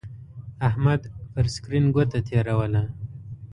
احمد پر سکرین گوته تېروله.